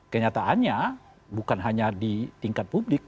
kenyataannya bukan hanya di tingkat publik